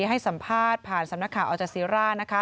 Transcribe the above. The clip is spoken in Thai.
ให้สัมภาษณ์ผ่านสำนักข่าวอัลจาซีร่า